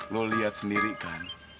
lo lihat sendiri kan